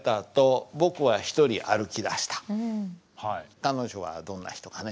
彼女はどんな人かね？